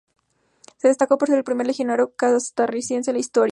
Se destacó por ser el primer legionario costarricense en la historia.